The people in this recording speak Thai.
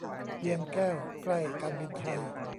เวียงแก้ว ใกล้การบินไทย